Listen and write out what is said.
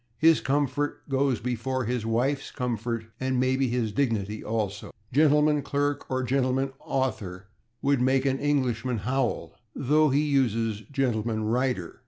His comfort goes before his wife's comfort, and maybe his dignity also. /Gentleman clerk/ or /gentleman author/ would make an Englishman howl, though he uses /gentleman rider